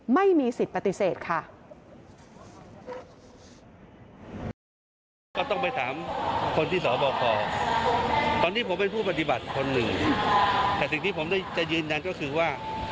ไม่มีสิทธิ์ปฏิเสธค่ะ